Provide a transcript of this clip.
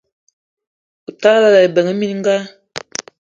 O tala ebeng minga